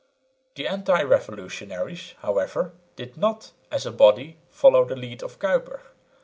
The anti revolutionaries, however, did not, as a body, follow the lead of Kuyper.